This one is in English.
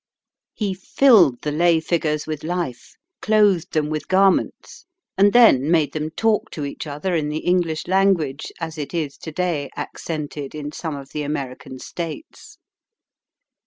He filled the lay figures with life, clothed them with garments, and then made them talk to each other in the English language as it is to day accented in some of the American States.